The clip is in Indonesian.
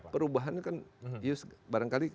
perubahannya kan barangkali